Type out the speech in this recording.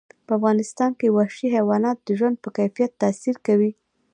په افغانستان کې وحشي حیوانات د ژوند په کیفیت تاثیر کوي.